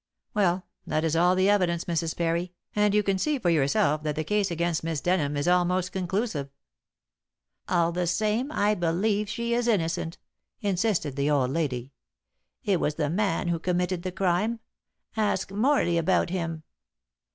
Well, that is all the evidence, Mrs. Parry, and you can see for yourself that the case against Miss Denham is almost conclusive." "All the same, I believe she is innocent," insisted the old lady; "it was the man who committed the crime. Ask Morley about him."